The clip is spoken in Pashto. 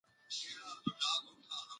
ښوونې د ماشوم چلند ښه کوي.